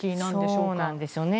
そうなんですよね。